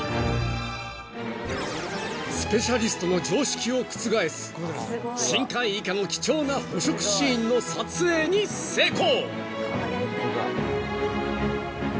［スペシャリストの常識を覆す深海イカの貴重な捕食シーンの撮影に成功！］